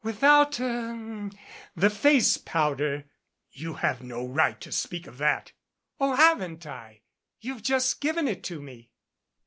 "Without er the face powder !" "You have no right to speak of that." "Oh, haven't I? You've just given it to me."